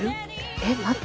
えっ待って？